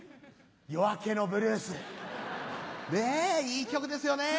『夜明けのブルース』ねいい曲ですよね。